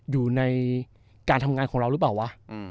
อยู่ในการทำงานของเราหรือเปล่าวะ